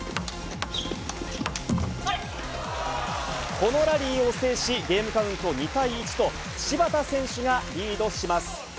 このラリーを制し、ゲームカウント２対１と、芝田選手がリードします。